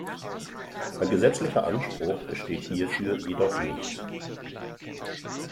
Ein gesetzlicher Anspruch besteht hierfür jedoch nicht.